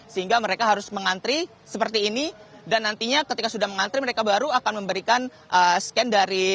sehingga mereka harus mengantri seperti ini dan nantinya ketika sudah mengantri mereka baru akan memberikan scan dari